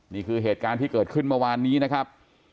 นี่คือเหตุการณ์ที่เกิดขึ้นเมื่อวานนี้นะครับ